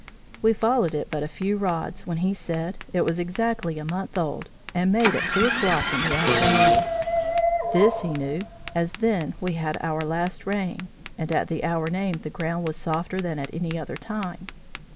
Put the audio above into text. We followed it but a few rods, when he said, it was exactly a month old, and made at 2 o'clock in the afternoon. This he knew, as then we had our last rain, and at the hour named the ground was softer than at any other time.